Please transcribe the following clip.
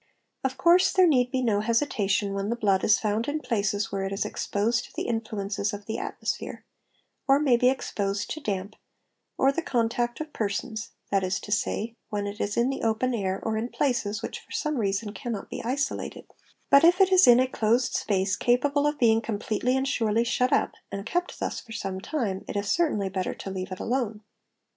Of course there need be no hesitation when the blood is found in places where it is exposed to the influences of the atmosphere, or may be exposed to damp, or the contact of persons, that is to say, when it is in the open air or in places which for some reason cannot be isolated; but if it is in a closed —; space capable of being completely and surely shut up, and kept thus for some time, it is certainly better to leave it alone.